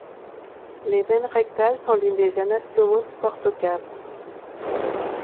Les veines rectales sont l'une des anastomoses porto-cave.